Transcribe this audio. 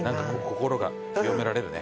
心が清められるね。